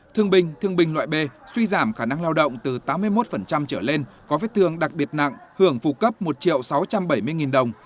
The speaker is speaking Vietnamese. thương binh thương binh loại b suy giảm khả năng lao động từ tám mươi một trở lên có vết thương đặc biệt nặng hưởng phụ cấp một sáu trăm bảy mươi đồng